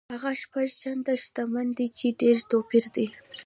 هغه شپږ چنده شتمن دی چې ډېر توپیر دی.